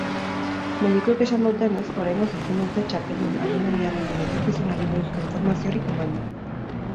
Medikuek esan dutenez, oraingoz ezin dute txapeldun alemaniarraren etorkizunari buruzko informaziorik eman.